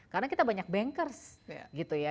karena kita banyak bankers gitu ya